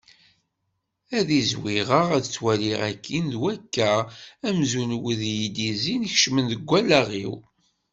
Ad izwiɣeɣ ad ttwaliɣ akkin d wakka amzun wid iyi-d-yezzin kecmen deg wallaɣ-iw.